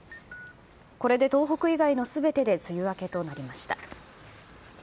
これで東北以外のすべてで梅雨明けとなりました。